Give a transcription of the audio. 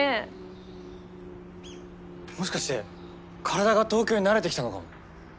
もしかして体が東京に慣れてきたのかも。